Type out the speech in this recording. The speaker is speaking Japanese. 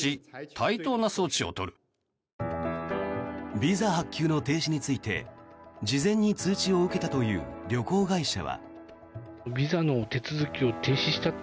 ビザ発給の停止について事前に通知を受けたという旅行会社は。